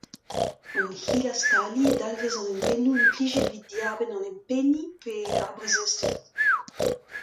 An hilastaliñ a dalvez an hentennoù implijet evit diarbenn an empentiñ pe ar brazezded.